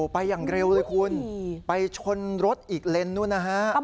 ไปอย่างเร็วเลยคุณไปชนรถอีกเลนส์นู้นนะฮะ